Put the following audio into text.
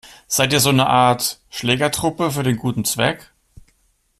Seid ihr so eine Art Schlägertruppe für den guten Zweck?